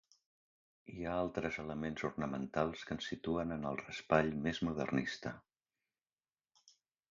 Hi ha altres elements ornamentals que ens situen en el Raspall més modernista.